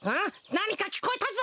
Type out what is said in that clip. なにかきこえたぞ。